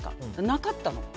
なかったの。